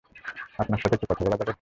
আপনার সাথে একটু কথা বলা যাবে?